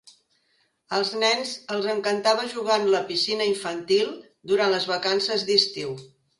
Als nens els encantava jugar en la piscina infantil durant les vacances d'estiu.